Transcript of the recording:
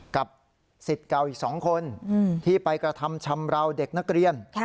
กับสิทธิ์เก่าอีก๒คนที่ไปกระทำชำราวเด็กนักเรียน